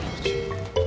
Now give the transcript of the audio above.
gigi permisi dulu ya mas